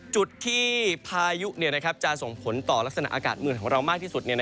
จุดที่พายุจะส่งผลต่อลักษณะอากาศเมืองของเรามากที่สุด